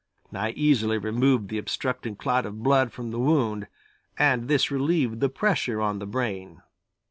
I easily removed the obstructing clot of blood from the wound, and this relieved the pressure on the brain.